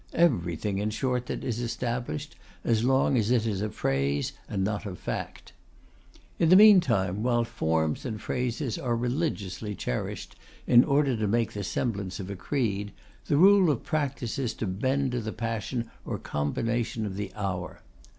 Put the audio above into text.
Everything, in short, that is established, as long as it is a phrase and not a fact. In the meantime, while forms and phrases are religiously cherished in order to make the semblance of a creed, the rule of practice is to bend to the passion or combination of the hour.